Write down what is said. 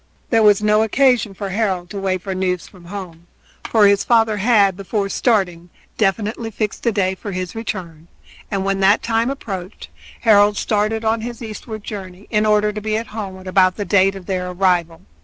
There was no occasion for Harold to wait for news from home, for his father had, before starting, definitely fixed the day for his return, and when that time approached Harold started on his eastward journey, in order to be at home about the date of their arrival.